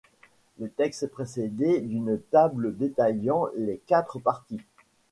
Le texte est précédé d'une table détaillant les quatre parties.